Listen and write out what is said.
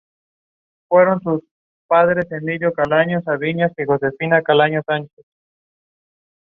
He initially was looked at chartering or used boats in good condition.